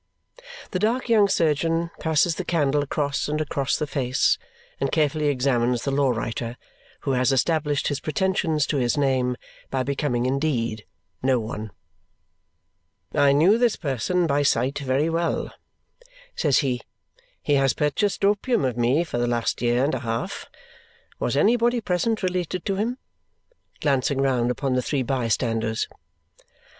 The dark young surgeon passes the candle across and across the face and carefully examines the law writer, who has established his pretensions to his name by becoming indeed No one. "I knew this person by sight very well," says he. "He has purchased opium of me for the last year and a half. Was anybody present related to him?" glancing round upon the three bystanders.